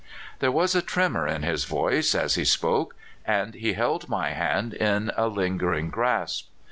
There was a tremor in his voice as he spoke, and he held my hand in a lingering grasp.